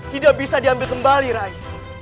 tidak bisa diambil kembali rai